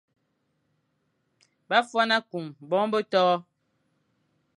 Bâ fwan akung bongo be toʼo.